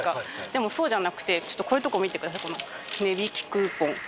でもそうじゃなくてこういうとこ見てください。